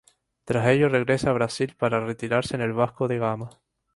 Tras ello regresa a Brasil para retirarse en el Vasco de Gama.